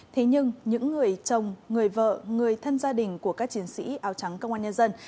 thế nhưng những người chồng người vợ người thân gia đình của các chiến sĩ áo trắng công an nhân dân